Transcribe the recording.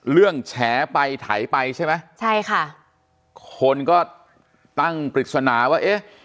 เรื่องแฉไปไถไปใช่ไหมใช่ค่ะคนก็ประสำอาปีกษณะว่าเอ๊ะ